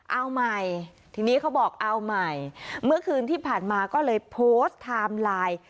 เอาใหม่ทีนี้เขาบอกเอาใหม่เมื่อคืนที่ผ่านมาก็เลยโพสต์ไทม์ไลน์